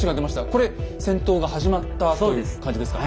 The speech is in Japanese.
これ戦闘が始まったという感じですか？